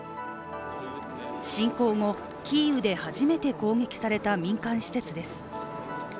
侵攻後、キーウで初めて攻撃された民間施設です。